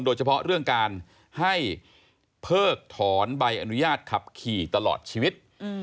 โดยเฉพาะเรื่องการให้เพิกถอนใบอนุญาตขับขี่ตลอดชีวิต